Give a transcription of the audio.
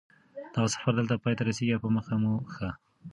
دغه سفر دلته پای ته رسېږي او په مخه مو ښه